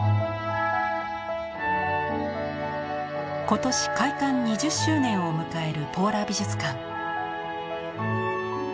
今年開館２０周年を迎えるポーラ美術館。